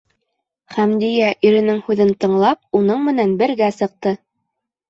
Хәмдиә, иренең һүҙен тыңлап, уның менән бергә сыҡты.